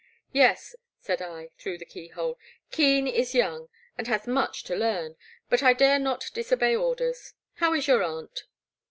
Yes," said I, through the key hole, Keen is young, and has much to learn, but I dare not dis obey orders. How is your aunt